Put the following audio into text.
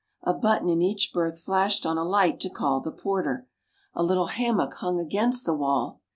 A button in each berth flashed on a light to call the porter. A little hammock hung against the wall.